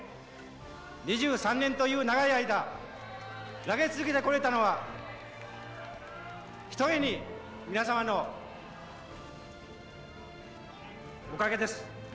２３年という長い間、投げ続けてこれたのは、ひとえに皆様のおかげです。